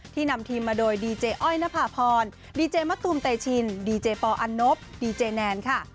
นำทีมมาโดยดีเจอ้อยนภาพรดีเจมะตูมเตชินดีเจปอลอันนบดีเจแนนค่ะ